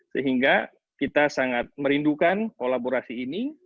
sehingga kita sangat merindukan kolaborasi ini